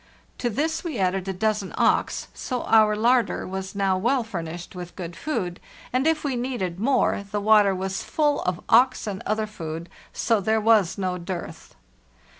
To this we added a dozen ks, so our larder was now well furnished with good 518 FARTHEST NORTH food; and if we needed more the water was full of auks and other food, so there was no dearth.